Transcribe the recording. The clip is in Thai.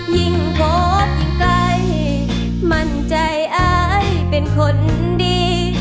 ยิ่งโพสต์ยิ่งใกล้มั่นใจอายเป็นคนดี